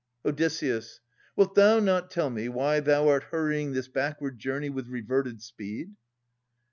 Od. Wilt thou not tell me why thou art hurrying This backward journey with reverted speed